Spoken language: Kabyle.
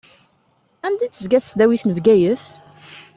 Anda i d-tezga tesdawit n Bgayet?